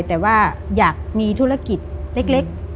แต่ว่าอยากมีธุรกิจเล็ก